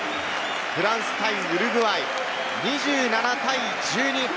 フランス対ウルグアイ、２７対１２。